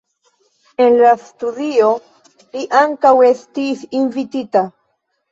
En la studio li ankaŭ estis invitita.